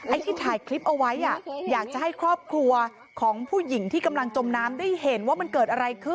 ที่ถ่ายคลิปเอาไว้อยากจะให้ครอบครัวของผู้หญิงที่กำลังจมน้ำได้เห็นว่ามันเกิดอะไรขึ้น